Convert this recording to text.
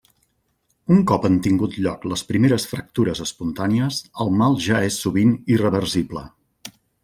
Un cop han tingut lloc les primeres fractures espontànies el mal ja és sovint irreversible.